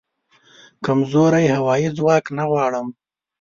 کمزوری هوایې ځواک نه غواړم